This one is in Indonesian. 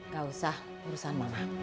gak usah urusan mama